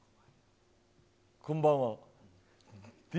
こんばんは。